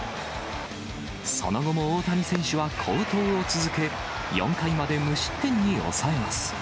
その後も大谷選手は好投を続け、４回まで無失点に抑えます。